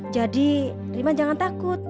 jadi rima jangan takut